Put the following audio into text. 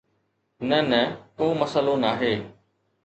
نه نه، ڪو مسئلو ناهي